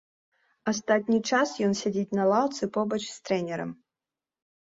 Астатні час ён сядзіць на лаўцы побач з трэнерам.